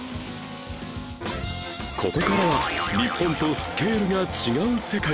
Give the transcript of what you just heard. ここからは日本とスケールが違う世界